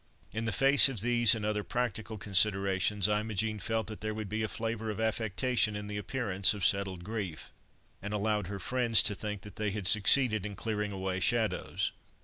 In the face of these, and other practical considerations, Imogen felt that there would be a flavour of affectation in the appearance of settled grief, and allowed her friends to think that they had succeeded in clearing away shadows.